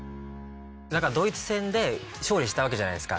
ドイツ戦で勝利したわけじゃないですか。